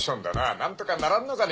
なんとかならんのかね